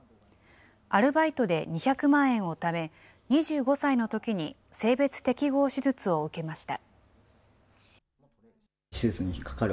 アルバイトで２００万円をため、２５歳のときに性別適合手術を受けました。